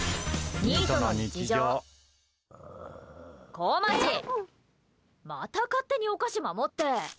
こまちまた勝手にお菓子守って！